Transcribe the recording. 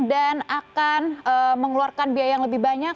dan akan mengeluarkan biaya yang lebih banyak